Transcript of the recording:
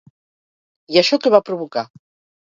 I això què va provocar?